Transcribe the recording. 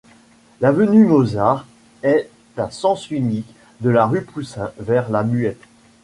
L'avenue Mozart est à sens unique de la rue Poussin vers la Muette.